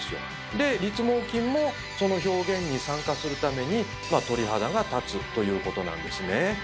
で立毛筋もその表現に参加するために鳥肌が立つということなんですね。